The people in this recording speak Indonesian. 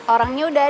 orangnya sudah siap